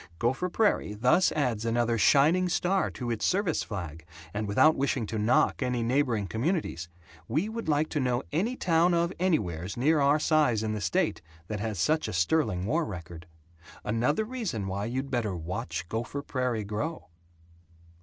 Gopher Prairie thus adds another shining star to its service flag and without wishing to knock any neighboring communities, we would like to know any town of anywheres near our size in the state that has such a sterling war record. Another reason why you'd better Watch Gopher Prairie Grow.